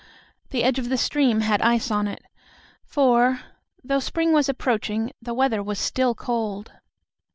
The edge of the stream had ice on it, for, though spring was approaching, the weather was still cold.